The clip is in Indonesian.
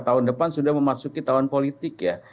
tahun depan sudah memasuki tahun politik ya